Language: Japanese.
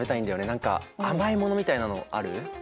何か甘いものみたいなのある？